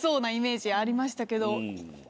ありましたけど。